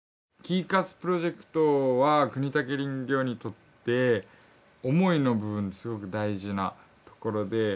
ＫＥＹＣＵＳプロジェクトは國武林業にとって思いの部分ですごく大事なところで。